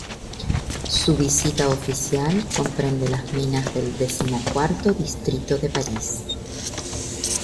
Su visita oficial comprende las minas del decimocuarto distrito de París.